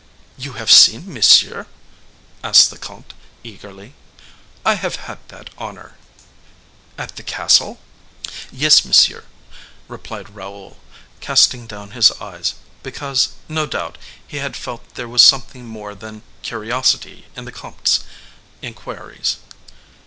"You have seen Monsieur?" asked the comte, eagerly. "I have had that honor." "At the castle?" "Yes, monsieur," replied Raoul, casting down his eyes, because, no doubt, he had felt there was something more than curiosity in the comte's inquiries.